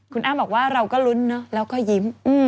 คุณอ้ำบอกว่าเราก็ลุ้นเนอะแล้วก็ยิ้ม